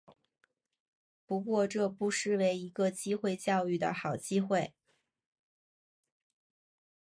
不过这不失为一个机会教育的好机会